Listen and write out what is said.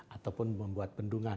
ataupun membuat bendungan